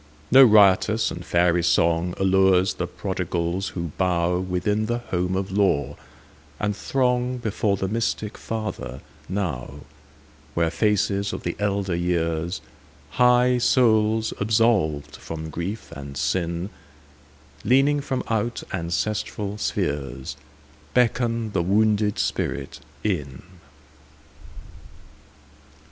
No riotous and fairy songAllures the prodigals who bowWithin the home of law, and throngBefore the mystic Father now, Where faces of the elder years, High souls absolved from grief and sin, Leaning from out ancestral spheresBeckon the wounded spirit in.